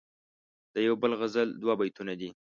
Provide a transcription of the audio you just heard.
دیو بل غزل دوه بیتونه دي..